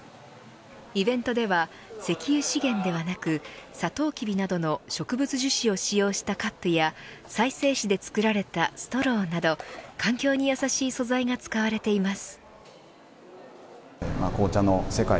イベントでは、石油資源ではなくさとうきびなどの植物樹脂を使用したカップや再生紙で作られたストローなど環境に優しい素材が使われています。